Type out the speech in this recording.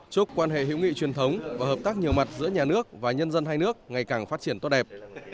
chúc quan hệ hữu nghị truyền thống và hợp tác nhiều mặt giữa nhà nước và nhân dân hai nước ngày càng phát triển tốt đẹp